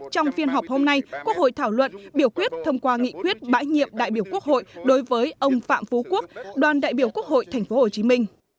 trong phiên họp hôm nay quốc hội thảo luận biểu quyết thông qua nghị quyết bãi nhiệm đại biểu quốc hội đối với ông phạm phú quốc đoàn đại biểu quốc hội tp hcm